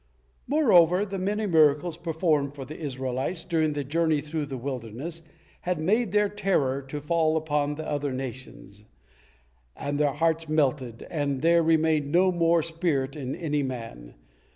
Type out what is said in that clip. Moreover, the many miracles preformed for the Israelites during the journey through the wilderness had made their terror to fall upon the other nations, and their hearts melted, and there remained no more spirit in any man.